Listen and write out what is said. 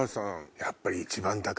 やっぱり。